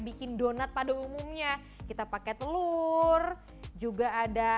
bikin donat pada umumnya kita pakai telur juga ada